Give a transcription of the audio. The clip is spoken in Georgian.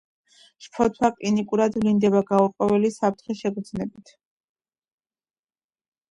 შფოთვა კლინიკურად ვლინდება გაურკვეველი საფრთხის შეგრძნებით.